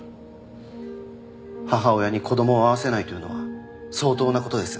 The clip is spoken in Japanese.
母親に子供を会わせないというのは相当な事です。